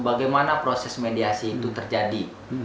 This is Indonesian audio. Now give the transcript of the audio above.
bagaimana proses mediasi itu terjadi